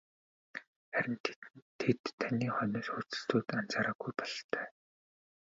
Харин тэд таны хойноос хөөцөлдөөд анзаараагүй бололтой.